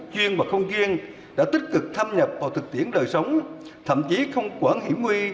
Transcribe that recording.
chuyên và không chuyên đã tích cực thâm nhập vào thực tiễn đời sống thậm chí không quản hiểm nguy